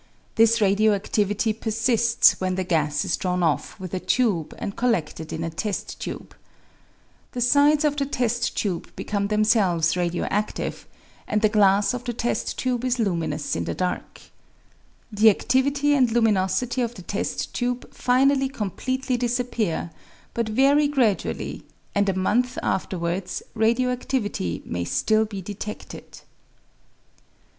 This radio adivity persists when the gas is drawn off with a tube and colleded in a test tube. The sides of the test tube become themselves radio adive, and the glass 236 Radio active Substances. I Chemical News, Nov. 13, 1903. of the test tube is luminous in the dark. The adivity and luminosity of the test tube finally completely disappear, but very gradually, and a month afterwards radio acftivity may still be detedted.